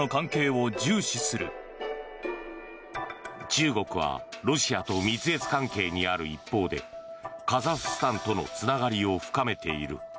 中国はロシアと蜜月関係にある一方でカザフスタンとのつながりを深めている。